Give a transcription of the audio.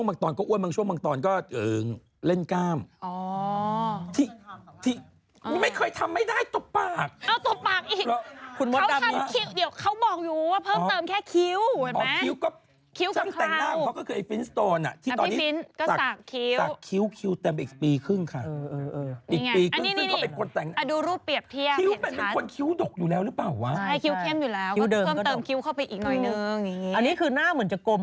เขาได้รางวัลเนี่ยเขาอยู่น้อยมากอย่างเรียนมหธิโยม